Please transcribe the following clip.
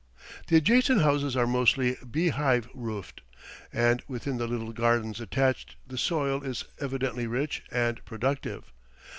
The adjacent houses are mostly bee hive roofed, and within the little gardens attached the soil is evidently rich and productive.